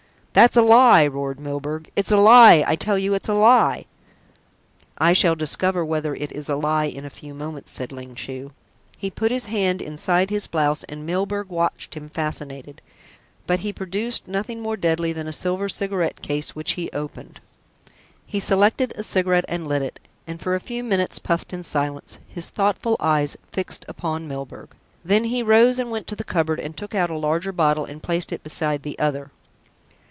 "That's a lie," roared Milburgh. "It's a lie I tell you it's a lie!" "I shall discover whether it is a lie in a few moments," said Ling Chu. He put his hand inside his blouse and Milburgh watched him fascinated, but he produced nothing more deadly than a silver cigarette case, which he opened. He selected a cigarette and lit it, and for a few minutes puffed in silence, his thoughtful eyes fixed upon Milburgh. Then he rose and went to the cupboard and took out a larger bottle and placed it beside the other.